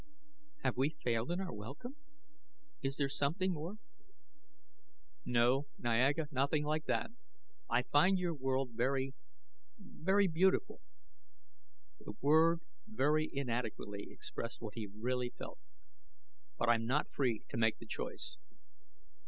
"Have we failed in our welcome? Is there something more " "No, Niaga, nothing like that. I find your world very very beautiful." The word very inadequately expressed what he really felt. "But I'm not free to make the choice."